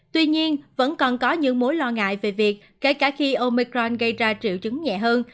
tuy nhiên vẫn còn có những mối lo ngại về việc kể cả khi omicron gây ra triệu chứng nhẹ hơn